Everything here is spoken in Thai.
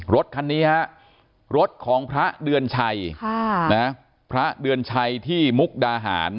รถคันนี้ฮะรถของพระเดือนชัยพระเดือนชัยที่มุกดาหาร